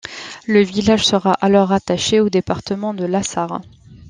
Le village sera alors rattaché au département de la Sarre.